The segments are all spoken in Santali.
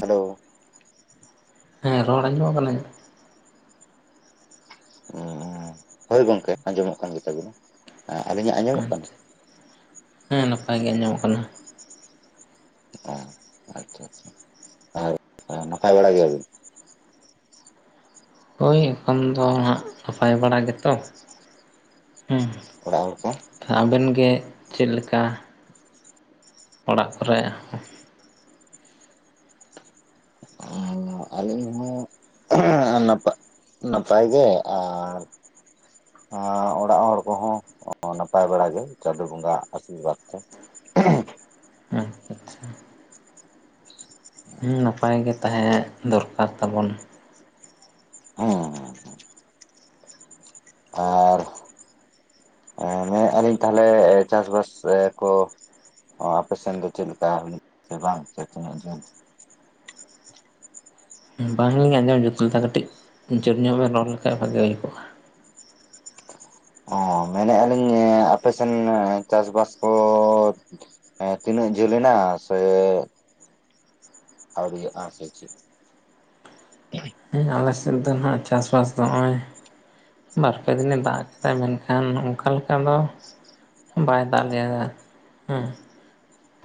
ᱦᱮᱞᱳ ᱦᱮᱸ ᱨᱚᱲ ᱟᱸᱡᱚᱢ ᱟᱠᱟᱱᱟ‌ ᱤᱧᱟᱜ? ᱚᱸᱻ ᱦᱳᱭ ᱜᱚᱝᱠᱮ ᱟᱸᱡᱚᱢᱚᱜ ᱠᱟᱱ ᱜᱮ ᱛᱟᱹᱵᱤᱱᱟ ᱟᱞᱤᱧᱟᱜ ᱟᱸᱡᱚᱢᱚᱜ ᱟᱪᱪᱷᱟ ᱠᱟᱱᱟ᱾ ᱦᱮᱸ ᱱᱟᱯᱟᱭ ᱜᱮ ᱟᱸᱡᱚᱢᱚᱜ ᱠᱟᱱᱟ ᱾ ᱚ ᱟᱪᱪᱷᱟ ᱟᱪᱪᱷᱟ ᱟᱨ ᱱᱟᱯᱟᱭ ᱵᱟᱲᱟ ᱜᱮᱭᱟ ᱵᱤᱱ? ᱦᱳᱭ ᱮᱱᱠᱷᱚᱱ ᱫᱚ ᱱᱟᱜ ᱱᱟᱯᱟᱭ ᱵᱟᱲᱟ ᱜᱮᱛᱚ ᱦᱩᱸ ᱾ ᱚᱲᱟᱜ ᱦᱚᱲ ᱠᱚ ᱾ ᱟᱵᱮᱱ ᱜᱮ ᱪᱮᱫ ᱞᱮᱠᱟ? ᱚᱲᱟᱜ ᱠᱚᱨᱮ ᱾ ᱟᱸ ᱟᱹᱞᱤᱧ ᱦᱚᱸ ᱱᱟᱯᱟᱭ ᱱᱟᱯᱟᱭ ᱜᱮ ᱟᱨᱻ ᱟᱸᱻ ᱚᱲᱟᱜ ᱦᱚᱲ ᱠᱚᱦᱚᱸ ᱱᱟᱯᱟᱭ ᱵᱟᱲᱟ ᱜᱮ ᱪᱟᱸᱫᱚ ᱵᱚᱸᱜᱟᱼᱟᱜ ᱟᱥᱤᱨᱵᱟᱫᱽ ᱛᱮ ᱾ ᱟᱪᱪᱷᱟ ᱻ [inaudible] ᱦᱩᱸ ᱱᱟᱯᱟᱭ ᱜᱮ ᱛᱟᱦᱮᱸ ᱫᱚᱨᱠᱟᱨ ᱛᱟᱵᱚᱱ᱾ ᱦᱚᱸ ᱾ ᱟᱨᱻ ᱢᱮᱱ ᱫᱟᱞᱤᱧ ᱛᱟᱦᱚᱞᱮ ᱪᱟᱥ ᱵᱟᱥ ᱠᱚ ᱚ ᱟᱯᱮ ᱥᱮᱱ ᱫᱚ ᱪᱮᱫ ᱞᱮᱠᱟ ᱦᱩᱭᱩᱜ ᱥᱮ ᱵᱟᱝ ᱥᱮ ᱛᱤᱱᱟᱹᱜ ᱡᱚᱱ ᱾ ᱵᱟᱝᱞᱤᱧ ᱟᱸᱡᱚᱢ ᱡᱩᱛ ᱞᱮᱫᱟ ᱠᱟᱹᱴᱤᱡ ᱡᱳᱨ ᱧᱚᱜ ᱵᱮᱱ ᱨᱚᱲ ᱞᱮᱠᱷᱟᱡ ᱵᱷᱟᱜᱮ ᱦᱩᱭ ᱠᱚᱜᱼᱟ᱾ ᱚ ᱢᱮᱱᱮᱫ ᱟᱹᱞᱤᱧ ᱟᱯᱮ ᱥᱮᱱ ᱪᱟᱥ ᱵᱟᱥ ᱠᱚ ᱾ ᱦᱮᱸ ᱛᱤᱱᱟᱹᱜ ᱡᱷᱟᱹᱞ ᱮᱱᱟ ᱥᱮ ᱟᱹᱣᱨᱤᱭᱟᱜᱼᱟ ᱟᱯᱮ ᱥᱮᱫ ᱾ ᱦᱮᱸ ᱟᱞᱮ ᱥᱮᱫ ᱫᱚ ᱱᱷᱟᱜ ᱪᱟᱥ ᱵᱟᱥ ᱫᱚ ᱱᱚᱜᱼᱚᱭ᱾ ᱵᱟᱨᱯᱮ ᱫᱤᱱ ᱮ ᱫᱟᱜ ᱠᱮᱫᱟ ᱢᱮᱱᱠᱷᱟᱱ ᱚᱱᱠᱟ ᱞᱮᱠᱟ ᱫᱚ ᱵᱟᱭ ᱫᱟᱜ ᱞᱮᱜᱼᱟ ᱦᱮᱸ ᱾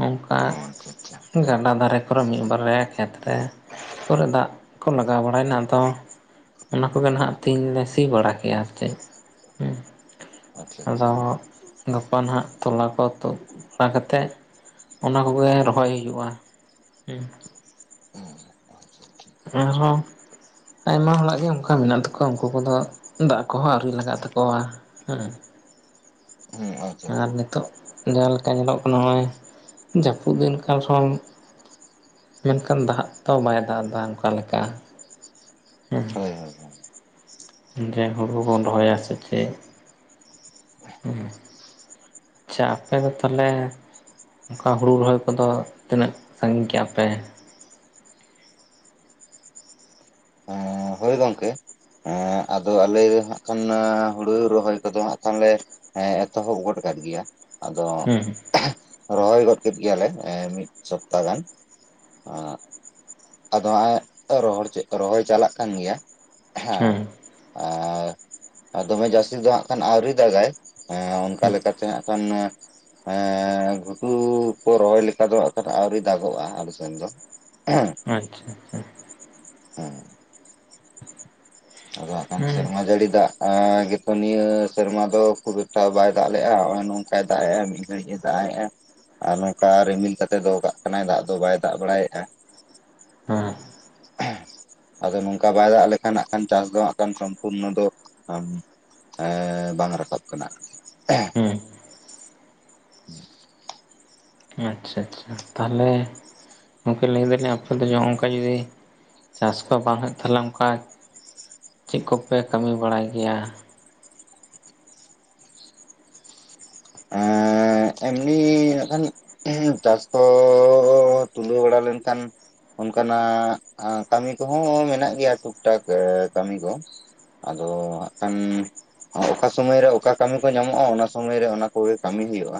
ᱚᱱᱠᱟ ᱦᱚᱸ ᱟᱪᱪᱷᱟ ᱟᱪᱪᱷᱟ ᱜᱟᱰᱟ ᱫᱷᱟᱨᱮ ᱠᱚᱨᱮ ᱢᱤᱫ ᱵᱟᱨ ᱨᱮ ᱠᱷᱮᱛ ᱨᱮ ᱠᱚᱨᱮ ᱫᱟᱜ ᱠᱚ ᱞᱟᱜᱟᱣ ᱵᱟᱲᱟᱭᱮᱱᱟ ᱟᱫᱚ ᱾ ᱚᱱᱟ ᱠᱚᱜᱮ ᱱᱷᱟᱜ ᱛᱮᱦᱮᱧ ᱞᱮ ᱥᱤ ᱵᱟᱲᱟ ᱠᱮᱜᱼᱟ ᱟᱨ ᱪᱮᱫ ᱾ ᱟᱪᱪᱷᱟ ᱟᱪᱪᱷᱟ ᱟᱫᱚ ᱜᱟᱯᱟ ᱱᱷᱟᱜ ᱛᱚᱞᱟ ᱠᱚ ᱛᱩᱫ ᱵᱟᱲᱟ ᱠᱟᱛᱮᱜ ᱚᱱᱟ ᱠᱚᱜᱮ ᱨᱚᱦᱚᱭ ᱦᱩᱭᱩᱜᱼᱟ ᱦᱮᱸ ᱾ [inaudible] ᱮᱱ ᱨᱮᱦᱚᱸ ᱟᱭᱢᱟ ᱦᱚᱲᱟᱜ ᱜᱮ ᱚᱱᱠᱟ ᱢᱮᱱᱟᱜ ᱛᱟᱠᱚᱣᱟ ᱩᱱᱠᱩ ᱠᱚᱫᱚ ᱫᱟᱜ ᱠᱚᱦᱚᱸ ᱟᱹᱣᱨᱤ ᱞᱟᱜᱟᱜ ᱛᱟᱠᱚᱣᱟ ᱦᱮᱸ ᱾ ᱦᱩᱸ ᱾ ᱟᱨ ᱱᱤᱛᱚᱜ ᱡᱟᱦᱟᱸ ᱞᱮᱠᱟ ᱧᱮᱞᱚᱜ ᱠᱟᱱᱟ ᱱᱚᱜᱼᱚᱭ ᱡᱟᱹᱯᱩᱫ ᱫᱤᱱ ᱠᱟᱱ ᱨᱮᱦᱚᱸᱼᱼ ᱢᱮᱱᱠᱷᱟᱱ ᱫᱟᱜ ᱛᱚ ᱵᱟᱭ ᱫᱟᱜ ᱮᱫᱟ ᱚᱱᱠᱟ ᱞᱮᱠᱟ ᱦᱮᱸ ᱾ ᱦᱳᱭ ᱦᱳᱭ ᱾ ᱡᱮ ᱦᱳᱲᱳ ᱵᱚᱱ ᱨᱚᱦᱚᱭᱟ ᱥᱮ ᱪᱮᱫ ᱾ [unintelligible] ᱟᱪᱪᱷᱟ ᱟᱯᱮ ᱦᱚᱸ ᱛᱟᱦᱚᱞᱮ ᱚᱱᱠᱟ ᱦᱩᱲᱩ ᱨᱚᱦᱚᱭ ᱠᱚᱫᱚ ᱛᱤᱱᱟᱹᱜ ᱥᱟᱺᱜᱤᱧ ᱠᱮᱜᱼᱟ ᱯᱮ? ᱯᱟᱸᱻ ᱦᱳᱭ ᱜᱚᱢᱠᱮ ᱦᱮᱸ ᱟᱫᱚ ᱟᱞᱮ ᱫᱚ ᱦᱟᱸᱜ ᱠᱷᱟᱱ ᱦᱩᱲᱩ ᱨᱚᱦᱚᱭ ᱠᱚᱫᱚ ᱦᱟᱹᱜ ᱠᱷᱟᱱ ᱞᱮᱼᱼ ᱦᱮᱸ ᱮᱛᱚᱦᱚᱵ ᱜᱚᱫ ᱟᱠᱟᱫ ᱜᱮᱭᱟ ᱟᱫᱚᱼᱼ ᱦᱩᱸ ᱨᱚᱦᱚᱭ ᱜᱚᱫ ᱠᱮᱫ ᱜᱮᱭᱟᱞᱮ ᱢᱤᱫ ᱥᱚᱯᱛᱟ ᱜᱟᱱ ᱟᱨ ᱟᱫᱚ ᱦᱟᱸᱜ-ᱟᱭ ᱛᱚ ᱨᱚᱦᱚᱲ ᱪᱮᱫᱛᱚ ᱨᱚᱦᱚᱭ ᱪᱟᱞᱟᱜ ᱠᱟᱱ ᱜᱮᱭᱟ ᱦᱮᱸ᱾ ᱦᱩᱸ ᱟᱨ ᱫᱚᱢᱮ ᱡᱟᱹᱥᱛᱤ ᱫᱚ ᱦᱟᱹᱜ ᱠᱷᱟᱱ ᱟᱹᱣᱨᱤ ᱫᱟᱜᱟᱭ᱾ ᱦᱮᱸ ᱚᱱᱠᱟ ᱦᱩᱸ ᱞᱮᱠᱟᱛᱮ ᱦᱟᱹᱜ ᱠᱷᱟᱱᱮ ᱮᱸᱜ ᱜᱷᱩᱴᱩ ᱠᱚ ᱨᱚᱦᱚᱭ ᱞᱮᱠᱟ ᱫᱚ ᱦᱟᱸᱜ ᱠᱷᱟᱱ ᱟᱹᱣᱨᱤ ᱫᱟᱜᱚᱜᱼᱟ ᱟᱞᱮ ᱥᱮᱱ ᱫᱚ᱾ [unintelligible] ᱟᱪᱪᱷᱟ ᱟᱪᱪᱷᱟ ᱾ [unintelligible] ᱟᱫᱚ ᱦᱟᱸᱜ ᱠᱷᱟᱱ ᱦᱩᱸ ᱥᱮᱨᱢᱟ ᱡᱟᱹᱲᱤ ᱫᱟᱜ ᱮᱸᱜ ᱜᱮᱛᱚ ᱱᱤᱭᱟᱹ ᱥᱮᱨᱢᱟ ᱫᱚ ᱠᱷᱩᱵ ᱮᱠᱴᱟ ᱵᱟᱭ ᱫᱟᱜ ᱞᱮᱜᱼᱟ ᱱᱚᱜ ᱚᱭ ᱱᱚᱝᱠᱟᱭ ᱫᱟᱜ ᱮᱜᱼᱟ ᱢᱤ ᱫᱜᱷᱟᱤᱡ ᱮ ᱫᱟᱜ ᱮᱜᱼᱟ᱾ ᱟᱨ ᱱᱚᱝᱠᱟ ᱨᱤᱢᱤᱞ ᱠᱟᱛᱮᱫ ᱫᱚᱦᱚ ᱠᱟᱜ ᱠᱟᱱᱟᱭ ᱫᱟᱜ ᱫᱚ ᱵᱟᱭ ᱫᱟᱜ ᱵᱟᱲᱟᱭᱮᱜᱼᱟ᱾ ᱚ ᱦᱮᱸ ᱟᱫᱚ ᱱᱚᱝᱠᱟ ᱵᱟᱭ ᱫᱟᱜ ᱞᱮᱠᱷᱟᱱᱼᱼ ᱠᱷᱟᱱ ᱪᱟᱥ ᱫᱚ ᱦᱟᱹᱜ ᱠᱟᱱ ᱥᱚᱢᱯᱩᱨᱱᱚ ᱫᱚ ᱚᱦᱚ ᱮᱸᱻ ᱵᱟᱝ ᱨᱟᱠᱟᱵ ᱠᱟᱱᱟ ᱟᱨᱠᱤ᱾ ᱦᱩᱸ [inaudible] ᱟᱪᱪᱷᱟ ᱟᱪᱪᱷᱟ ᱛᱟᱦᱚᱞᱮ᱾ ᱜᱚᱢᱠᱮ ᱞᱟᱹᱭ ᱮᱫᱟᱞᱤᱧ ᱟᱯᱮ ᱫᱚ ᱱᱚ ᱱᱚᱝᱠᱟ ᱡᱩᱫᱤ ᱪᱟᱥ ᱠᱚ ᱵᱟᱝ ᱦᱩᱭᱩᱜ ᱛᱟᱦᱚᱞᱮ ᱚᱱᱠᱟ ᱪᱮᱫ ᱠᱚᱯᱮ ᱠᱟᱹᱢᱤ ᱵᱟᱲᱟᱭ ᱜᱮᱭᱟ? ᱮᱸᱜᱻ ᱮᱸᱜ ᱮᱢᱱᱤ ᱱᱟᱜ-ᱠᱷᱟᱱ ᱪᱟᱥ ᱠᱚᱻ ᱛᱩᱞᱟᱹᱣ ᱵᱟᱲᱟ ᱞᱮᱱᱠᱷᱟᱱ ᱚᱱᱠᱟᱱᱟᱜ ᱟᱸ ᱠᱟᱹᱢᱤ ᱠᱚᱦᱚᱸ ᱢᱮᱱᱟᱜ ᱜᱮᱭᱟ ᱴᱩᱠ ᱴᱟᱠ ᱠᱟᱹᱢᱤ ᱠᱚ᱾ ᱟᱫᱚ ᱦᱟᱸᱜ ᱠᱷᱟᱱ ᱚᱠᱟ ᱥᱳᱢᱳᱭ ᱨᱮ ᱚᱠᱟ ᱠᱟᱹᱢᱤ ᱠᱚ ᱧᱟᱢᱚᱜᱼᱟ ᱚᱱᱟ ᱥᱳᱢᱳᱭ ᱨᱮ ᱚᱱᱟ ᱠᱚᱜᱮ ᱠᱟᱹᱢᱤ ᱦᱩᱭᱩᱜᱼᱟ,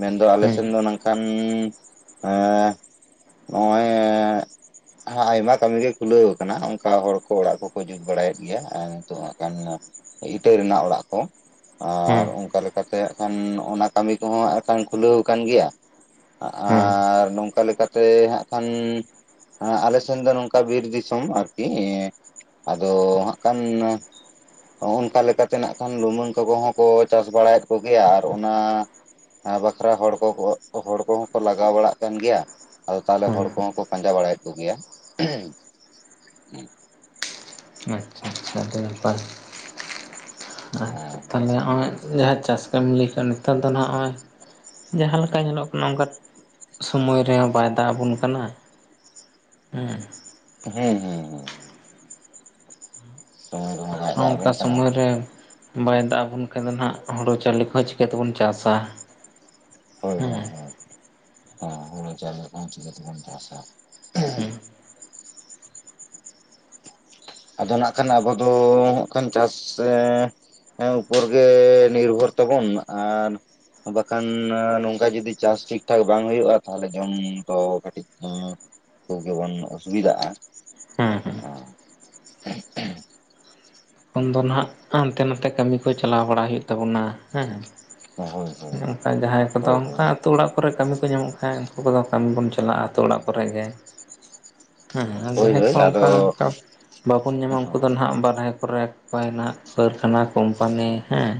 ᱢᱮᱱᱫᱚ ᱟᱞᱮ ᱦᱩᱸ ᱥᱮᱱ ᱫᱚ ᱱᱚᱝᱠᱷᱟᱱ ᱮᱜ ᱱᱚᱜᱼᱚᱭ ᱟᱭᱢᱟ ᱠᱟᱹᱢᱤ ᱜᱮ ᱠᱷᱩᱞᱟᱹᱣ ᱟᱠᱟᱱᱟ, ᱚᱱᱠᱟ ᱦᱚᱲ ᱠᱚ ᱚᱲᱟᱜ ᱠᱚᱠᱚ ᱡᱩᱛ ᱵᱟᱲᱟᱭᱮᱫ ᱜᱮᱭᱟ᱾ ᱟᱨ ᱱᱤᱛᱚᱜ ᱦᱟᱸᱜ ᱠᱷᱟᱱ ᱤᱴᱟᱹ ᱨᱮᱱᱟᱜ ᱚᱲᱟᱜ ᱠᱚ ᱟᱨ ᱦᱩᱸ ᱚᱱᱠᱟ ᱞᱮᱠᱟᱛᱮ, ᱮᱱᱠᱷᱟᱱ ᱚᱱᱟ ᱠᱟᱹᱢᱤ ᱠᱚᱦᱚᱸ ᱮᱱᱠᱷᱟᱱ ᱠᱷᱩᱞᱟᱹᱣ ᱟᱠᱟᱱ ᱜᱮᱭᱟ᱾ ᱦᱩᱸ ᱟᱨ ᱱᱚᱝᱠᱟ ᱞᱮᱠᱟᱛᱮ ᱦᱟᱸᱜ ᱠᱷᱟᱱ ᱟᱨ ᱟᱞᱮ ᱥᱮᱱ ᱫᱚ ᱱᱚᱝᱠᱟ ᱵᱤᱨ ᱫᱤᱥᱚᱢ ᱟᱨᱠᱤ ᱮᱸ ᱟᱫᱚ ᱦᱟᱸᱜ ᱠᱷᱟᱱ ᱦᱚᱸᱜ ᱚᱝᱠᱟ ᱞᱮᱠᱟᱛᱮ ᱱᱟᱜ ᱠᱷᱟᱱ ᱞᱩᱢᱟᱹᱝ ᱠᱚᱠᱚ ᱦᱚᱸᱠᱚ ᱪᱟᱥ ᱵᱟᱲᱟᱭᱮᱫ ᱠᱚᱜᱮᱭᱟ, ᱟᱨ ᱚᱱᱟ ᱟ ᱵᱟᱠᱷᱨᱟ ᱦᱚᱲ ᱠᱚ ᱦᱚᱲ ᱠᱚᱦᱚᱸᱠᱚ ᱞᱟᱜᱟᱣ ᱵᱟᱲᱟᱜ ᱠᱟᱱ ᱜᱮᱭᱟ᱾ ᱟᱫᱚ ᱛᱟᱦᱚᱞᱮ ᱦᱩᱸ ᱦᱚᱲ ᱠᱚᱦᱚᱸ ᱠᱚ ᱯᱟᱸᱡᱟ ᱵᱟᱲᱟᱭᱮᱫ ᱠᱚᱜᱮᱭᱟ᱾ ᱟᱪᱪᱷᱟ ᱟᱪᱪᱷᱟ ᱟᱹᱰᱤ ᱱᱟᱯᱟᱭ ᱟᱪᱪᱷᱟ ᱦᱟᱸ ᱛᱟᱦᱚᱞᱮ ᱱᱚᱜᱼᱚᱭ ᱡᱟᱦᱟᱸ ᱪᱟᱥ ᱠᱟᱹᱢᱤᱢ ᱞᱟᱹᱭ ᱠᱮᱜ-ᱟ ᱱᱮᱛᱟᱨ ᱫᱚ ᱱᱦᱟᱜ-ᱚᱭ ᱡᱟᱦᱟᱸ ᱞᱮᱠᱟ ᱧᱮᱞᱚᱜ ᱠᱟᱱᱟ ᱱᱚᱝᱠᱟ ᱥᱳᱢᱚᱭ ᱨᱮᱦᱚᱸ ᱵᱟᱭ ᱫᱟᱜ ᱟᱵᱚᱱ ᱠᱟᱱᱟ᱾ ᱦᱮᱸ ᱦᱩᱸ ᱦᱩᱸ ᱦᱩᱸ ᱥᱚᱢᱚᱭ ᱨᱮᱦᱚᱸ ᱟᱨ ᱵᱟᱭ ᱦᱚᱸ ᱫᱟᱜ ᱚᱝᱠᱟ ᱟᱵᱚᱱ ᱠᱟᱱᱟ ᱥᱚᱢᱚᱭ ᱨᱮ ᱵᱟᱭ ᱫᱟᱜ ᱟᱵᱚᱱ ᱠᱷᱟᱱ ᱫᱚ ᱱᱦᱟᱜ ᱦᱩᱲᱳ ᱪᱟᱣᱞᱮ ᱠᱚᱦᱚᱸ ᱪᱤᱠᱟᱹ ᱛᱮᱵᱚᱱ ᱪᱟᱥᱟ ᱦᱳᱭ ᱦᱳᱭ ᱦᱮᱸ ᱦᱳᱭ ᱦᱟ ᱦᱩᱲᱩ ᱪᱟᱣᱞᱮ ᱠᱚᱦᱚᱸ ᱪᱤᱠᱟᱹ ᱛᱮᱵᱚᱱ ᱪᱟᱥᱟ ᱦᱮᱸ ᱟᱫᱚ ᱱᱟᱜ ᱠᱷᱟᱱ ᱟᱵᱚ ᱫᱚ ᱠᱷᱟᱱ ᱪᱟᱥ ᱮᱸ ᱮᱸ ᱩᱯᱚᱨ ᱜᱮ ᱱᱤᱨᱵᱷᱚᱨ ᱛᱟᱵᱚᱱ ᱟᱨ ᱵᱟᱠᱷᱟᱱ ᱱᱚᱝᱠᱟ ᱡᱚᱫᱤ ᱪᱟᱥ ᱴᱷᱤᱠ ᱴᱷᱟᱠ ᱵᱟᱝ ᱦᱩᱭᱩᱜ-ᱟ ᱛᱟᱞᱦᱮ ᱡᱚᱢ ᱫᱚ ᱠᱟᱹᱴᱤᱡᱼᱼ ᱩᱸ ᱠᱚᱜᱮᱵᱚᱱ ᱚᱥᱩᱵᱤᱫᱟᱜ-ᱟ ᱟᱸ ᱦᱮᱸ ᱦᱮᱸ [inaudible] ᱛᱚᱠᱷᱚᱱ ᱫᱚ ᱱᱟᱜ ᱦᱟᱱᱛᱮ ᱱᱟᱛᱮ ᱠᱟᱹᱢᱤ ᱠᱚ ᱪᱟᱞᱟᱣ ᱵᱟᱲᱟ ᱦᱩᱭᱩᱜ ᱛᱟᱵᱚᱱᱟ ᱦᱮᱸ᱾ ᱦᱳᱭ ᱦᱳᱭ ᱚᱱᱠᱟ ᱡᱟᱦᱟᱸᱭ ᱠᱚᱫᱚ ᱦᱳᱭ ᱦᱳᱭ ᱚᱝᱠᱟ ᱛᱳ ᱚᱲᱟᱜ ᱠᱚᱨᱮ ᱠᱟᱹᱢᱤ ᱠᱚ ᱧᱟᱢᱚᱜ ᱠᱷᱟᱡ ᱩᱝᱠᱩ ᱠᱚᱫᱚ ᱠᱟᱹᱢᱤ ᱵᱚᱱ ᱪᱟᱞᱟᱜ-ᱟ ᱟᱹᱛᱩ ᱚᱲᱟᱜ ᱠᱚᱨᱮᱜ ᱜᱮ ᱦᱩᱸ ᱦᱳᱭ ᱡᱟᱦᱟᱸᱭ ᱦᱳᱭ ᱠᱚ ᱚᱝᱠᱟ ᱟᱫᱚ ᱵᱟᱵᱚᱱ ᱧᱟᱢᱟ ᱩᱱᱠᱩ ᱫᱚ ᱦᱳᱭ ᱱᱦᱟᱜ ᱵᱟᱨᱦᱮ ᱠᱚᱨᱮ ᱯᱟᱭ ᱱᱟᱜ ᱠᱟ. ᱨᱠᱷᱟᱱᱟ ᱠᱳᱢᱯᱟᱱᱤ ᱦᱮᱸ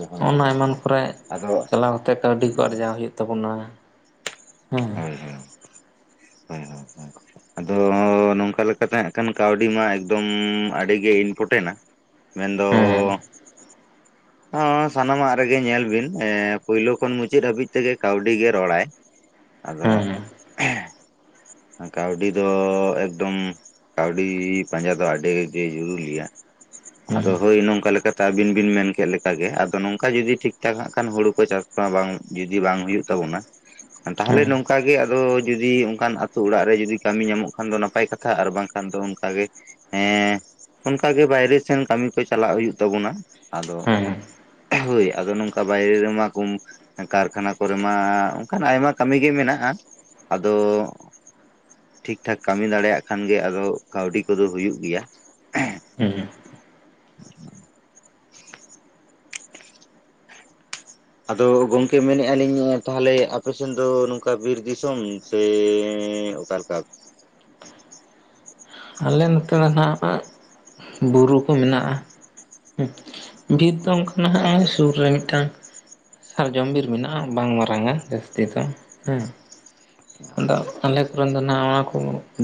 ᱦᱳᱭ ᱦᱳᱭ ᱚᱱᱟ ᱮᱢᱟᱱ ᱠᱚᱨᱮ ᱟᱫᱚ ᱪᱟᱞᱟᱣ ᱦᱟᱛᱮ ᱠᱟᱹᱣᱰᱤ ᱠᱚ ᱟᱨᱡᱟᱣ ᱦᱩᱭᱩᱜ ᱛᱟᱵᱚᱱᱟ ᱦᱮᱸ [inaudible] ᱟᱫᱚ ᱱᱚᱝᱠᱟ ᱞᱮᱠᱟ ᱛᱮᱸᱦᱟᱸᱜ ᱠᱟᱱᱟᱱ ᱠᱟᱹᱣᱰᱤ ᱢᱟ ᱮᱠᱫᱚᱢ ᱟᱹᱰᱤ ᱜᱮ ᱤᱱᱯᱚᱴᱮᱱᱟ᱾ ᱢᱮᱱᱫᱚ ᱦᱮᱸ ᱦᱚᱸ ᱥᱟᱱᱟᱢᱟᱜ ᱨᱮᱜᱮ ᱧᱮᱞ ᱵᱤᱱ ᱯᱳᱭᱞᱳ ᱠᱷᱚᱱ ᱢᱩᱪᱟᱹᱫ ᱦᱟᱹᱵᱤᱡ ᱛᱮᱜᱮ ᱠᱟᱹᱣᱰᱤ ᱜᱮ ᱨᱚᱲᱟᱭ᱾ ᱟᱫᱚ ᱦᱮᱸ ᱠᱟᱹᱣᱰᱤ ᱫᱚ ᱮᱠᱫᱚᱢ ᱠᱟᱹᱣᱰᱤ ᱯᱟᱸᱡᱟ ᱫᱚ ᱟᱹᱰᱤ ᱜᱮ ᱡᱚᱨᱩᱜᱤᱭᱟ ᱦᱮᱸ ᱟᱫᱚ ᱦᱳᱭ ᱱᱚᱝᱠᱟ ᱞᱮᱠᱟᱛᱮ ᱟᱵᱤᱱ ᱵᱤᱱ ᱢᱮᱱ ᱠᱮᱫ ᱞᱮᱠᱟᱜᱮ ᱟᱫᱚ ᱱᱚᱝᱠᱟ ᱡᱩᱫᱤ ᱴᱷᱤᱠ ᱴᱷᱟᱠ ᱦᱟᱸᱜ ᱠᱷᱟᱱ ᱦᱩᱲᱩ ᱠᱚ ᱪᱟᱥ ᱵᱟ ᱵᱟᱝ ᱡᱩᱫᱤ ᱵᱟᱝ ᱦᱩᱭᱩᱜ ᱛᱟᱵᱚᱱᱟ ᱛᱟᱦᱞᱮ ᱦᱮᱸ ᱱᱚᱝᱠᱟ ᱜᱮ ᱟᱫᱚ ᱡᱩᱫᱤ ᱚᱝᱠᱟᱱ ᱛᱩ ᱚᱲᱟᱜ ᱨᱮ ᱡᱚᱫᱤ ᱠᱟᱹᱢᱤ ᱧᱟ ᱟᱨᱢᱚᱜ ᱠᱷᱟᱱ ᱫᱚ ᱱᱟᱯᱟᱭ ᱠᱟᱛᱷᱟ ᱟᱨ ᱵᱟᱝᱠᱷᱟᱱ ᱫᱚ ᱚᱱᱠᱟ ᱜᱮ ᱮᱸ ᱚᱱᱠᱟᱜᱮ ᱵᱟᱭᱨᱮ ᱥᱮᱱ ᱠᱟᱹᱢᱤ ᱠᱚ ᱪᱟᱞᱟᱜ ᱦᱩᱭᱩᱜ ᱛᱟᱵᱚᱱᱟ ᱟᱫᱚ ᱦᱮᱸ ᱦᱳᱭ ᱟᱫᱚ ᱱᱚᱝᱠᱟ ᱵᱟᱭᱨᱮ ᱨᱮᱢᱟ ᱠᱳᱢ ᱠᱟᱨᱠᱷᱟᱱᱟ ᱠᱚᱨᱮ ᱢᱟ ᱚᱝᱠᱱᱟᱜ ᱟᱭᱢᱟ ᱠᱟᱹᱢᱤᱜᱮ ᱢᱮᱱᱟᱜ-ᱟ ᱟᱫᱚ ᱴᱷᱤᱠ ᱴᱷᱟᱠ ᱠᱟᱹᱢᱤ ᱫᱟᱲᱮᱭᱟᱜ ᱠᱷᱟᱱᱜᱮ ᱟᱫᱚ ᱠᱟᱹᱣᱰᱤ ᱠᱚᱫᱚ ᱦᱩᱭᱩᱜ ᱜᱮᱭᱟ ᱦᱩᱸ ᱦᱩᱸ [inaudible] ᱟᱫᱚ ᱜᱚᱝᱠᱮ ᱢᱮᱱᱮᱜ-ᱟ ᱞᱤᱧ ᱛᱟᱦᱞᱮ ᱟᱯᱮᱥᱮᱱ ᱫᱚ ᱱᱚᱝᱠᱟ ᱵᱤᱨ ᱫᱤᱥᱚᱢ ᱥᱮᱸ ᱚᱠᱟ ᱞᱮᱠᱟ ᱟᱞᱮ ᱱᱚᱛᱮ ᱢᱟ ᱱᱟᱜ ᱵᱩᱨᱩ ᱠᱚ ᱢᱮᱱᱟᱜ-ᱟ ᱦᱩᱸ ᱵᱤᱨ ᱫᱚ ᱚᱝᱠᱟ ᱟᱪᱪᱷᱟ [inaudible] ᱥᱩᱨ ᱨᱮ ᱢᱤᱫᱴᱟᱝ ᱥᱟᱨ ᱡᱚᱢ ᱵᱤᱨ ᱢᱮᱱᱟᱜ-ᱟ ᱵᱟᱝ ᱢᱟᱨᱟᱝᱟ ᱡᱟᱹᱥᱛᱤ ᱫᱚ ᱦᱮᱸ ᱟᱫᱚ ᱟᱪᱪᱷᱟ ᱟᱪᱪᱷᱟ ᱟᱞᱮ ᱠᱚᱨᱮᱱ ᱫᱚ ᱱᱟᱜ ᱱᱚᱣᱟ ᱠᱚ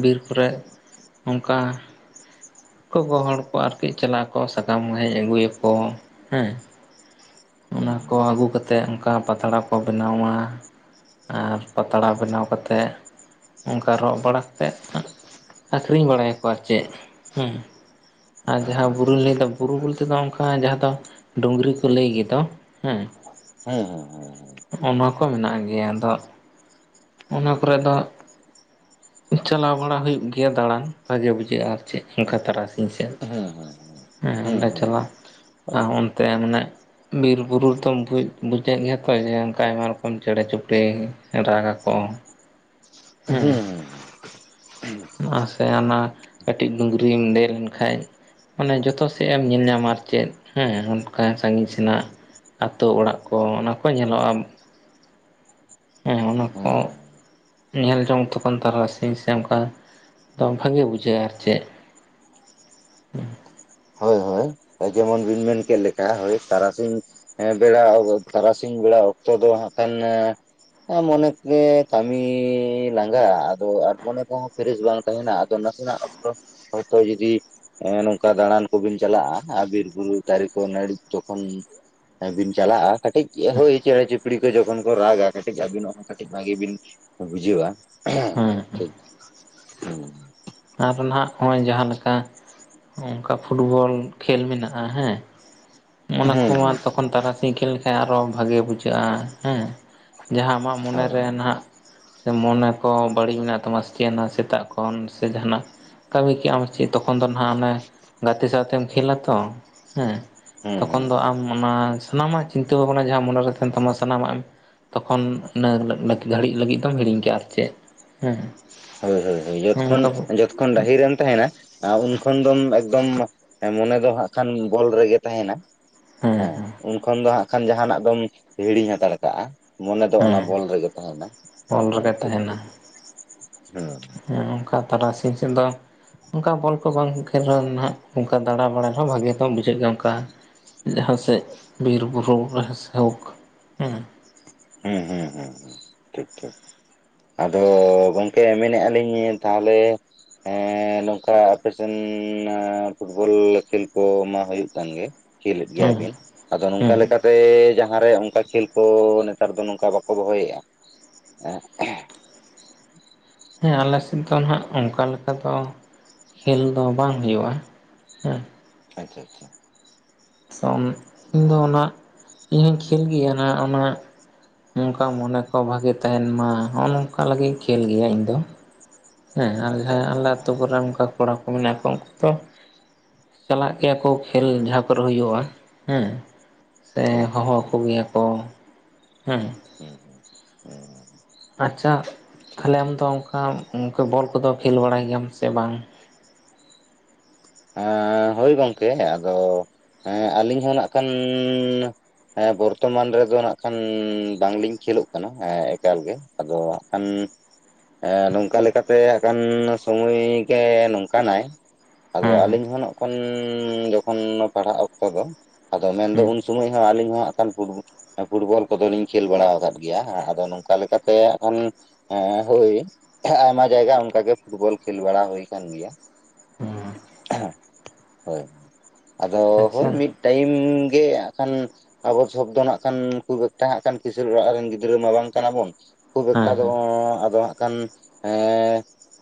ᱵᱤᱨ ᱠᱚᱨᱮ ᱚᱝᱠᱟ ᱠᱚ ᱜᱚᱦᱚᱲ ᱠᱚᱣᱟ ᱟᱨᱠᱤ ᱪᱟᱞᱟᱜ ᱟᱠᱚ ᱥᱟᱠᱟᱢ ᱦᱮᱡ ᱟᱹᱜᱩᱭᱟᱠᱚ ᱦᱮᱸ ᱦᱩᱸ ᱚᱱᱟ ᱦᱩᱸ ᱠᱚ ᱟᱪᱪᱷᱟ ᱟᱹᱜᱩ ᱠᱟᱛᱮᱜ ᱚᱝᱠᱟ ᱯᱟᱛᱲᱟ ᱠᱚ ᱵᱮᱱᱟᱣᱟ ᱟᱨ ᱯᱟᱛᱲᱟ ᱵᱮᱱᱟᱣ ᱠᱟᱛᱮᱜ ᱚᱝᱠᱟ ᱨᱚᱜ ᱵᱟᱲᱟ ᱛᱮᱫ ᱦᱟᱜ ᱟᱠᱷᱨᱤᱧ ᱵᱟᱲᱟᱭᱟᱠᱚ ᱟᱨ ᱪᱮᱜ ᱦᱩᱸ ᱟᱨ ᱡᱟᱦᱟᱸ ᱵᱩᱨᱩ ᱟᱪᱪᱷᱟ ᱞᱟᱹᱭᱟ ᱟᱪᱪᱷᱟ ᱵᱩᱨᱩ ᱵᱚᱞᱛᱮ ᱫᱚ ᱚᱝᱠᱟ ᱡᱟᱦᱟᱸ ᱫᱚ ᱰᱩᱝᱨᱤ ᱠᱚ ᱞᱟᱹᱭ ᱜᱮᱫᱚ ᱦᱮᱸ᱾ ᱦᱮᱸ ᱦᱮᱸ ᱦᱮᱸ ᱦᱮᱸ ᱱᱚᱜᱼᱚ ᱱᱚᱣᱟ ᱠᱚ ᱢᱮᱱᱟᱜ ᱜᱮᱭᱟ ᱟᱫᱚ ᱚᱱᱟ ᱠᱚᱨᱮ ᱫᱚ ᱪᱟᱞᱟᱣ ᱵᱟᱲᱟ ᱦᱩᱭᱩᱜ ᱜᱮᱭᱟ ᱫᱟᱬᱟᱱ ᱵᱷᱟᱜᱮ ᱵᱩᱡᱷᱟᱹᱜᱼᱟ ᱟᱨ ᱪᱮᱫ ᱚᱱᱠᱟ ᱛᱟᱨᱟᱥᱤᱧ ᱥᱮᱫ ᱦᱮᱸ ᱦᱮᱸ ᱦᱮᱸ ᱦᱮᱸ ᱚᱸᱰᱮ ᱪᱟᱞᱟᱣ ᱛᱮ ᱢᱟᱱᱮ ᱵᱤᱨ ᱵᱩᱨᱩ ᱨᱮᱫᱚᱢ ᱵᱩᱡᱮᱫ ᱜᱮᱭᱟ ᱛᱚ ᱡᱮ ᱚᱱᱠᱟ ᱟᱭᱢᱟ ᱨᱚᱠᱚᱢ ᱪᱮᱸᱬᱮ ᱪᱩᱯᱲᱤ ᱨᱟᱜ-ᱟ ᱠᱚ᱾ ᱦᱩᱸᱻ ᱱᱚᱣᱟ ᱥᱮ ᱚᱱᱟ ᱠᱟᱹᱴᱤᱡ ᱰᱩᱝᱨᱤᱢ ᱫᱮᱡ ᱞᱮᱱᱠᱷᱟᱡ ᱢᱟᱱᱮ ᱡᱚᱛᱚ ᱥᱮᱫ ᱮᱢ ᱧᱮᱞ ᱧᱟᱢᱟ ᱟᱨ ᱪᱮᱫ ᱦᱮᱸ ᱚᱱᱠᱟ ᱥᱟᱹᱜᱤᱧ ᱥᱮᱱᱟᱜ ᱟᱹᱛᱳ ᱚᱲᱟᱜ ᱠᱚ ᱚᱱᱟ ᱠᱚ ᱧᱮᱞᱚᱜ-ᱟ᱾ ᱦᱩᱸ᱾ ᱠᱚ ᱧᱮᱞ ᱡᱚᱝ ᱛᱚᱠᱷᱚᱱ ᱛᱟᱨᱟᱥᱤᱧ ᱥᱮ ᱚᱱᱠᱟ ᱫᱚ ᱵᱷᱟᱜᱮ ᱵᱩᱡᱷᱟᱹᱜ-ᱟ ᱟᱨ ᱪᱮᱫ᱾ ᱦᱳᱭ, ᱦᱳᱭ ᱡᱮᱢᱚᱱ ᱵᱤᱱ ᱢᱮᱱ ᱠᱮᱫ ᱞᱮᱠᱟ ᱦᱳᱭ ᱛᱟᱨᱟᱥᱤᱧ ᱵᱮᱲᱟ ᱛᱟᱨᱟᱥᱤᱧ ᱵᱮᱲᱟ ᱚᱠᱛᱚ ᱫᱚ ᱦᱟᱸᱜ ᱠᱷᱟᱱ ᱢᱚᱱᱮ ᱜᱮ ᱠᱟᱹᱢᱤ ᱞᱟᱸᱜᱟ ᱟᱫᱚ ᱟᱨ ᱢᱚᱱᱮ ᱠᱚᱦᱚᱸ ᱯᱷᱮᱨᱮᱥ ᱵᱟᱝ ᱛᱟᱦᱮᱱᱟ᱾ ᱱᱟᱥᱮᱱᱟᱜ ᱚᱠᱛᱚ ᱦᱚᱭ ᱛᱚ ᱡᱩᱫᱤ ᱱᱚᱝᱠᱟ ᱫᱟᱲᱟᱱ ᱠᱚᱵᱤᱱ ᱪᱟᱞᱟᱜ-ᱟ ᱟᱨ ᱵᱤᱨ ᱵᱩᱨᱩ ᱫᱟᱨᱤ ᱠᱚ ᱱᱟᱹᱲᱤᱜ ᱡᱚᱠᱷᱚᱱ᱾ ᱵᱤᱱ ᱪᱟᱞᱟᱜ-ᱟ ᱾ᱠᱟᱹᱴᱤᱡ ᱦᱳᱭ ᱪᱮᱸᱬᱮ ᱪᱩᱯᱲᱤ ᱠᱚ ᱡᱚᱠᱷᱚᱱ ᱠᱚ ᱨᱟᱜ-ᱟ ᱠᱟᱹᱴᱤᱡ ᱟᱹᱵᱤᱱᱟᱜ ᱦᱚᱸ ᱠᱟᱹᱴᱤᱡ ᱵᱷᱟᱜᱤ ᱵᱤᱱ ᱵᱩᱡᱷᱟᱜ-ᱟ ᱦᱮᱸ ᱴᱷᱤᱠ ᱦᱮᱸ᱾ ᱟᱨ ᱱᱟᱦᱟᱜ ᱦᱚᱸᱜ-ᱚᱭ ᱡᱟᱦᱟ ᱞᱮᱠᱟ ᱚᱱᱠᱟ ᱯᱷᱩᱴᱵᱚᱞ ᱠᱷᱮᱞ ᱢᱮᱱᱟᱜ-ᱟ ᱦᱮᱸ᱾ ᱢᱟᱱᱮ ᱠᱚ ᱦᱩᱸ ᱟᱨ ᱛᱚᱠᱷᱚᱱ ᱛᱟᱨᱟᱥᱤᱧ ᱠᱷᱮᱞ ᱟᱨᱚ ᱵᱷᱟᱜᱮ ᱵᱩᱡᱷᱟᱹᱜ-ᱟ ᱦᱮᱸ ᱡᱟᱦᱟ ᱟᱢᱟᱜ ᱦᱳᱭ ᱦᱳᱭ ᱢᱚᱱᱮᱨᱮ ᱱᱟᱦᱟᱜ ᱢᱚᱱᱮ ᱠᱚ ᱵᱟᱹᱲᱤᱡ ᱢᱮᱱᱟᱜ ᱛᱟᱢᱟ ᱥᱮ ᱪᱮᱫ ᱱᱟᱜ ᱥᱮᱛᱟᱜ ᱠᱷᱚᱱ ᱥᱮ ᱡᱟᱦᱟᱱᱟᱜ ᱠᱟᱹᱢᱤ ᱠᱮᱜᱟᱢ ᱪᱮᱫ ᱛᱚᱠᱷᱚᱱ ᱫᱚ ᱱᱟᱦᱟᱜ ᱚᱱᱮ ᱜᱟᱛᱮ ᱥᱟᱶᱛᱮᱢ ᱠᱷᱮᱞᱟ ᱛᱚ ᱦᱮᱸ᱾ ᱦᱩᱸ ᱛᱚᱠᱷᱚᱱ ᱫᱚ ᱦᱩᱸ ᱟᱢ ᱚᱱᱟ ᱥᱟᱱᱟᱢᱟᱜ ᱪᱤᱱᱛᱟᱹ ᱵᱷᱟᱵᱱᱟ ᱡᱟᱦᱟ ᱢᱚᱱᱮᱨᱮ ᱛᱟᱦᱮᱱ ᱛᱟᱢᱟ ᱥᱟᱱᱟᱢ ᱟᱜ ᱮᱢ ᱛᱚᱠᱷᱚᱱ ᱤᱱᱟᱹ ᱜᱷᱟᱹᱲᱤᱡ ᱞᱟᱹᱜᱤᱫ ᱫᱚᱢ ᱦᱤᱲᱤᱧ ᱠᱮᱜ-ᱟ ᱟᱨ ᱪᱮᱫ ᱦᱮᱸ᱾ ᱦᱳᱭ, ᱦᱳᱭ ᱡᱚᱛᱠᱷᱚᱱ, ᱚᱱᱠᱟ ᱡᱚᱛᱠᱷᱚᱱ ᱰᱟᱹᱦᱤᱨᱮᱢ ᱛᱟᱦᱮᱱᱟ ᱩᱱᱠᱷᱚᱱ ᱫᱚᱢ ᱮᱠᱫᱚᱢ ᱦᱮᱸ ᱢᱚᱱᱮ ᱫᱚ ᱦᱟᱸᱜ ᱠᱷᱟᱱ ᱵᱚᱞ ᱨᱮᱜᱮ ᱛᱟᱦᱮᱱᱟ᱾ ᱦᱮᱸ ᱩᱱᱠᱷᱚᱱ ᱫᱚ ᱦᱟᱸᱜ ᱠᱷᱟᱱ ᱡᱟᱦᱟ ᱱᱟᱜ ᱫᱚᱢ ᱦᱤᱲᱤᱧ ᱦᱟᱛᱟᱲ ᱠᱟᱜ-ᱟ᱾ ᱢᱚᱱᱮ ᱫᱚ ᱚᱱᱟ ᱦᱮᱸ ᱵᱚᱞ ᱨᱮᱜᱮ ᱛᱟᱦᱮᱱᱟ ᱦᱳᱭ, ᱚᱞ ᱦᱳᱭ ᱨᱮᱜᱮ ᱴᱷᱤᱠ, ᱛᱟᱦᱮᱱᱟ ᱴᱷᱤᱠ ᱦᱮᱸ᱾ ᱚᱱᱠᱟ ᱛᱟᱨᱟᱥᱤᱧ ᱥᱮᱫ ᱫᱚ ᱚᱱᱠᱟ ᱵᱚᱞ ᱠᱚ ᱵᱟᱝ ᱠᱷᱮᱞ ᱨᱮᱦᱚᱸ ᱦᱟᱸᱜ ᱚᱱᱠᱟ ᱫᱟᱲᱟ ᱵᱟᱲᱟᱭ ᱨᱮᱦᱚᱸ ᱵᱷᱟᱜᱮ ᱫᱚᱢ ᱵᱩᱡᱷᱟᱹᱜ ᱜᱮ ᱚᱱᱠᱟ᱾ ᱡᱟᱦᱟ ᱥᱮᱫ ᱵᱤᱨ ᱵᱩᱨᱩ ᱨᱮ ᱥᱮ ᱡᱟᱭᱦᱳᱠ ᱦᱩᱸ, ᱦᱩ, ᱸ ᱦᱩᱸ, ᱦᱩᱸ ᱴᱷᱤᱠ, ᱴᱷᱤᱠ᱾ ᱟᱫᱚ ᱜᱚᱝᱠᱮ ᱢᱮᱱᱮᱜ ᱟᱞᱤᱧ ᱛᱟᱦᱞᱮ ᱦᱮᱸ ᱱᱚᱝᱠᱟ ᱟᱯᱮ ᱥᱮᱱ ᱯᱷᱩᱴᱵᱚᱞ ᱠᱷᱮᱞ ᱠᱚ ᱢᱟ ᱦᱳᱭᱳᱜ ᱠᱟᱱ ᱜᱮ᱾ ᱠᱷᱮᱞᱮᱫ ᱜᱮᱭᱟ ᱦᱮᱸ ᱵᱤᱱ ᱟᱫᱚ ᱱᱚᱝᱠᱟ ᱦᱮᱸ ᱞᱮᱠᱟᱛᱮ ᱡᱟᱦᱟ ᱨᱮ ᱚᱱᱠᱟ ᱠᱷᱮᱞ ᱠᱚ ᱱᱮᱛᱟᱨ ᱫᱚ ᱱᱚᱝᱠᱟ ᱵᱟᱠᱚ ᱫᱚᱦᱚᱭ ᱮᱜᱟ ᱦᱮᱸ ᱟᱞᱮ ᱥᱮᱫ ᱫᱚ ᱦᱟᱸᱜ ᱚᱱᱠᱟ ᱞᱮᱠᱟ ᱫᱚ ᱠᱷᱮᱞ ᱫᱚ ᱵᱟᱝ ᱦᱳᱭᱳᱜᱼᱟ ᱦᱮᱸ᱾ ᱟᱪᱪᱷᱟ, ᱟᱪᱪᱷᱟ᱾ ᱥᱚᱝ ᱤᱧ ᱫᱚ ᱱᱟᱹᱜ ᱤᱧ ᱦᱚᱸᱧ ᱠᱷᱮᱞ ᱜᱮᱭᱟ ᱱᱟᱹᱜ ᱚᱱᱟ ᱚᱱᱠᱟ ᱢᱚᱱᱮ ᱠᱚ ᱵᱷᱟᱜᱮ ᱛᱟᱦᱮᱱ ᱢᱟ ᱦᱚᱜ-ᱚ ᱱᱚᱝᱠᱟ ᱞᱟᱹᱜᱤᱫ ᱠᱷᱮᱞ ᱜᱮᱭᱟ ᱤᱧ ᱫᱚ᱾ ᱦᱮᱸ ᱟᱨ ᱟᱪᱪᱷᱟ ᱡᱟᱦᱟᱭ ᱟᱞᱮ ᱟᱹᱛᱩ ᱠᱚᱨᱮᱱ ᱟᱪᱪᱷᱟ ᱚᱱᱠᱟ ᱠᱚᱲᱟ ᱠᱚ ᱢᱮᱱᱟᱜ ᱠᱚᱣᱟ ᱩᱱᱠᱩ ᱫᱚ ᱪᱟᱞᱟᱜ ᱜᱮᱭᱟ ᱠᱚ ᱠᱷᱮᱞ ᱡᱟᱦᱟ ᱠᱚᱨᱮ ᱦᱩᱭᱩᱜ-ᱟ ᱦᱮᱸ᱾ ᱥᱮ ᱦᱳᱭ ᱦᱳᱭ ᱦᱚᱦᱚ ᱦᱳᱭ ᱟᱠᱚ ᱜᱮᱭᱟ ᱠᱚ ᱦᱮᱸ᱾ ᱦᱩᱸ, ᱦᱩᱸ, ᱦᱩᱸ᱾ ᱟᱪᱪᱷᱟ ᱴᱷᱤᱠ ᱛᱟᱦᱚᱞᱮ ᱴᱷᱤᱠ ᱟᱢᱫᱚ ᱚᱝᱠᱟ ᱚᱝᱠᱟ ᱵᱚᱞ ᱠᱚᱫᱚ ᱠᱷᱮᱞ ᱵᱟᱲᱟᱭ ᱜᱮᱭᱟᱢ ᱥᱮ ᱵᱟᱝ? ᱮ ᱦᱳᱭ ᱜᱚᱝᱠᱮ ᱟᱫᱚ ᱟᱹᱞᱤᱧ ᱦᱚᱸ ᱱᱟᱜ ᱠᱷᱟᱱ ᱦᱮᱸ ᱵᱚᱨᱛᱚᱢᱟᱱ ᱨᱮᱫᱚ ᱱᱟᱸᱜ ᱠᱷᱟᱱ ᱵᱟᱝ ᱞᱤᱧ ᱠᱷᱮᱞᱳᱜ ᱠᱟᱱᱟ ᱮᱸ ᱮᱠᱟᱞ ᱜᱮ᱾ ᱟᱫᱚ ᱦᱟᱸᱜ ᱠᱷᱟᱱ ᱮ ᱱᱚᱝᱠᱟ ᱞᱮᱠᱟ ᱛᱮ ᱟᱠᱷᱟᱱ ᱥᱚᱢᱚᱭ ᱜᱮ ᱱᱚᱝᱠᱟ ᱱᱟᱭ, ᱟᱫᱚ ᱦᱮᱸ ᱟᱞᱤᱧ ᱦᱚᱸᱜ ᱱᱚᱸᱜᱼᱠᱷᱚᱱ ᱡᱚᱠᱷᱚᱱ ᱯᱟᱲᱦᱟᱜ ᱚᱠᱛᱚ ᱫᱚ ᱟᱫᱚ ᱢᱮᱱ ᱫᱚ ᱦᱮᱸ ᱩᱱ ᱥᱳᱢᱳᱭ ᱦᱚᱸ ᱟᱸᱞᱤᱧ ᱦᱟᱸᱜ ᱠᱷᱟᱱ ᱯᱷᱩᱴᱵᱚ ᱯᱷᱩᱴᱵᱚᱞ ᱠᱚᱫᱚ ᱞᱤᱧ ᱠᱷᱮᱞ ᱵᱟᱲᱟᱣ ᱠᱟᱫ ᱜᱮᱭᱟ ᱟᱫᱚ ᱱᱚᱝᱠᱟ ᱞᱮᱠᱟ ᱛᱮ ᱟᱠᱷᱟᱱ ᱮᱸ ᱦᱳᱭ ᱟᱭᱢᱟ ᱡᱟᱭᱜᱟ ᱚᱝᱠᱟ ᱜᱮ ᱯᱷᱩᱴᱵᱚᱞ ᱠᱷᱮᱞ ᱵᱟᱲᱟ ᱦᱩᱭ ᱠᱟᱱ ᱜᱮᱭᱟ᱾ ᱦᱮᱸ ᱦᱮᱸ ᱦᱳᱭ ᱟᱫᱚ ᱦᱳᱭ ᱟᱪᱪᱷᱟ ᱢᱤᱫ ᱴᱟᱭᱤᱢ ᱜᱮ ᱟᱸᱜ ᱠᱷᱟᱱ ᱟᱵᱚ ᱥᱚᱵᱽᱫᱚ ᱱᱟᱸᱜ ᱠᱷᱟᱱ ᱠᱷᱩᱵ ᱮᱠᱴᱟ ᱦᱟᱸᱜ ᱠᱷᱟᱱ ᱠᱤᱥᱟᱬ ᱚᱲᱟᱜ ᱨᱮᱱ ᱜᱤᱫᱽᱨᱟᱹ ᱢᱟ ᱵᱟᱝ ᱠᱟᱱᱟ ᱵᱚᱱ, ᱠᱷᱩᱵ ᱮᱠᱴᱟ ᱦᱮᱸ ᱫᱚ ᱦᱮᱸ ᱟᱫᱚ ᱦᱟᱸᱜ ᱠᱷᱟᱱ ᱮᱸ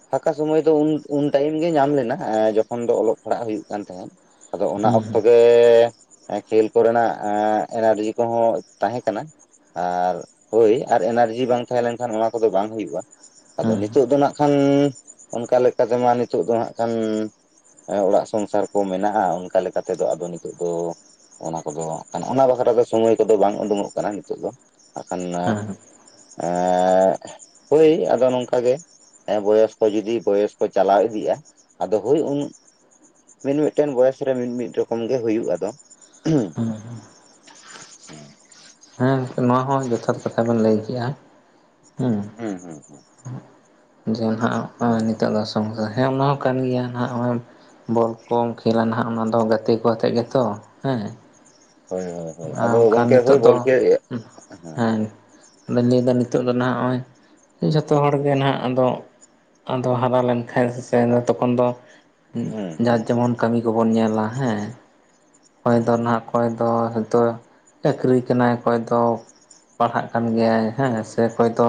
ᱯᱷᱟᱠᱟ ᱥᱚᱢᱚᱭ ᱫᱚ ᱩᱱ ᱩᱱ ᱴᱟᱭᱤᱢ ᱜᱮ ᱧᱟᱢ ᱞᱮᱱᱟ ᱮ ᱡᱚᱠᱷᱚᱱ ᱫᱚ ᱚᱞᱚᱜ ᱯᱟᱲᱦᱟᱜ ᱦᱩᱭᱩᱜ ᱠᱟᱱ ᱛᱟᱦᱮᱸᱫ᱾ ᱟᱫᱚ ᱚᱱᱟ ᱦᱮᱸ ᱚᱠᱛᱚ ᱜᱮ ᱮᱸ ᱠᱷᱮᱞ ᱠᱚᱨᱮ ᱱᱟᱜ ᱮᱜ ᱮᱱᱟᱨᱡᱤ ᱠᱚᱦᱚᱸ ᱛᱟᱦᱮᱸ ᱠᱟᱱᱟ᱾ ᱟᱨ ᱦᱳᱭ ᱟᱨ ᱮᱱᱟᱨᱡᱤ ᱵᱟᱝ ᱛᱟᱦᱮᱸ ᱞᱮᱱᱠᱷᱟᱱ ᱚᱱᱟ ᱠᱚᱫᱚ ᱵᱟᱝ ᱦᱩᱭᱩᱜ-ᱟ᱾ ᱟᱫᱚ ᱦᱮᱸ ᱱᱤᱛᱩᱜ ᱫᱚ ᱱᱟᱸᱜ ᱠᱷᱟᱱ ᱚᱱᱠᱟ ᱞᱮᱠᱟ ᱛᱮᱢᱟ ᱱᱤᱛᱩᱜ ᱫᱚ ᱦᱟᱸᱜ ᱠᱷᱟᱱ ᱮ‌ᱸ ᱚᱲᱟᱜ ᱥᱚᱝᱥᱟᱨ ᱠᱚ ᱢᱮᱱᱟᱜᱼᱟ ᱚᱱᱠᱟ ᱞᱮᱠᱟ‌ ᱛᱮᱫᱚ ᱟᱫᱚ ᱱᱤᱛᱩᱜ ᱫᱚ ᱚᱱᱟ ᱠᱚᱫᱚ ᱟᱠᱷᱟᱱ ᱚᱱᱟ ᱵᱟᱠᱷᱨᱟ ᱫᱚ ᱥᱚᱢᱚᱭ ᱠᱚᱫᱚ ᱵᱟᱝ ᱩᱸᱰᱩᱝᱚᱜ ᱠᱟᱱᱟ ᱱᱤᱛᱩᱜ ᱫᱚ ᱦᱟᱸᱜᱠᱷᱟᱱ ᱮ ᱦᱮᱸ ᱟᱜ ᱦᱳᱭ ᱟᱫᱚ ᱱᱚᱝᱠᱟ ᱜᱮ ᱦᱮᱸ ᱵᱚᱭᱚᱥ ᱠᱚ ᱡᱩᱫᱤ ᱵᱚᱭᱮᱥ ᱠᱚ ᱪᱟᱞᱟᱣ ᱤᱫᱤᱜᱼᱟ, ᱟᱫᱚ ᱦᱳᱭ ᱩᱱ ᱢᱤᱫ ᱢᱤᱫᱴᱮᱱ ᱵᱚᱭᱮᱥ ᱨᱮ ᱢᱤᱫ ᱢᱤᱫ ᱨᱚᱠᱚᱢ ᱜᱮ ᱦᱩᱭᱩᱜᱼᱟ ᱫᱚ ᱦᱮᱸ ᱦᱮᱸ ᱱᱚᱣᱟ ᱦᱚᱸ ᱡᱚᱛᱷᱟᱛ ᱠᱟᱛᱷᱟ ᱵᱮᱱ ᱞᱟᱹᱭ ᱠᱮᱜᱼᱟ᱾ ᱦᱩᱸ ᱦᱩᱸ ᱦᱩᱸ᱾ ᱡᱮ ᱱᱟᱦᱟᱸᱜ ᱱᱚᱸᱜᱼᱚᱭ ᱱᱤᱛᱚᱜ ᱫᱚ ᱥᱚᱝᱥᱟ ᱦᱮᱸ ᱚᱱᱟ ᱦᱚᱸ ᱠᱟᱱ ᱜᱮᱭᱟ ᱱᱟᱸᱜ ᱚᱸᱭ ᱵᱚᱞ ᱠᱚᱢ ᱠᱷᱮᱞᱟ ᱱᱟᱦᱟᱸᱜ ᱚᱱᱟ ᱫᱚ ᱜᱟᱛᱮ ᱠᱚ ᱟᱛᱮᱜ ᱜᱮᱛᱚ ᱦᱮᱸ, ᱦᱳᱭ ᱦᱳᱭ ᱦᱳᱭ ᱦᱳᱭ ᱦᱳᱭ ᱟᱨ ᱟᱫᱚ ᱚᱱᱠᱟᱱ ᱜᱚᱝᱠᱮ ᱱᱤᱛᱚᱜ ᱦᱳᱭ ᱫᱚ ᱵᱚᱞ ᱠᱷᱮᱞ ᱦᱮᱸ ᱦᱩᱸ, ᱦᱮᱸ᱾ ᱟᱫᱚᱧ ᱞᱟᱹᱭ ‌ᱫᱟ ᱱᱤᱛᱚᱜ ᱫᱚ ᱱᱟᱦᱟᱸᱜ ᱱᱚᱸᱜᱼᱚᱸᱭ ᱡᱷᱚᱛᱚ ᱦᱚᱲ ᱜᱮ ᱱᱟᱦᱟᱸᱜ ᱟᱫᱚ ᱟᱫᱚ ᱦᱟᱨᱟ ᱞᱮᱱᱠᱷᱟᱡ ᱥᱮ ᱟᱫᱚ ᱛᱚᱠᱷᱚᱱ ᱫᱚ ᱩᱸᱜ ᱦᱩᱸ ᱡᱟᱨ ᱦᱩᱸ ᱡᱮᱢᱚᱱ ᱠᱟᱹᱢᱤ ᱠᱚᱵᱚᱱ ᱧᱮᱞᱟ ᱦᱮᱸ ᱚᱠᱚᱭ ᱦᱩᱸ ᱫᱚ ᱱᱟᱸᱜ ᱚᱠᱚᱭ ᱫᱚ ᱛᱚ ᱪᱟᱹᱠᱨᱤ ᱠᱟᱱᱟᱭ ᱚᱠᱚᱭ ᱫᱚ ᱯᱟᱲᱦᱟᱜ ᱠᱟᱱ ᱜᱮᱭᱟᱭ ᱦᱮᱸ ᱥᱮ ᱚᱠᱚᱭ ᱫᱚ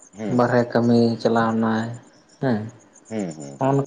ᱦᱩᱸ ᱵᱟᱨᱦᱮ ᱠᱟᱹᱢᱤ ᱪᱟᱞᱟᱣ ᱱᱟᱭ ᱦᱮᱸ᱾ ᱦᱩᱸ ᱦᱩᱸ᱾ ᱦᱚᱸ ᱱᱚ ᱦᱩᱸ